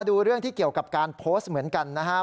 ดูเรื่องที่เกี่ยวกับการโพสต์เหมือนกันนะครับ